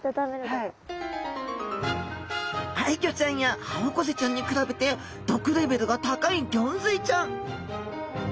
アイギョちゃんやハオコゼちゃんに比べて毒レベルが高いギョンズイちゃん。